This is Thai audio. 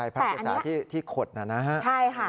พระเกษาที่ขดนะฮะ